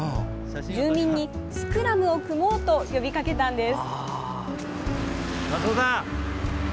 住民にスクラムを組もうと呼びかけたんです。